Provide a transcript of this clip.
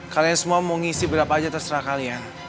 kalian semua mau ngisi berapa aja terserah kalian